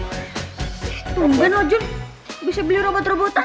sih tumben loh jun bisa beli robot robotan